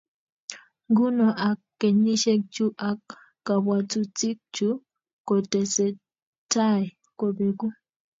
Nguno ak kenyisiek chu ak kabwatutikchu kotesetai kobeku